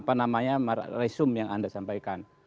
saya hanya resume yang anda sampaikan